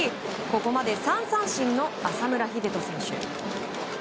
ここまで３三振の浅村栄斗選手。